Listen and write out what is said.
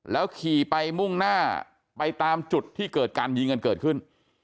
ขี่ไปมุ่งหน้าไปตามจุดที่เกิดการยิงกันเกิดขึ้น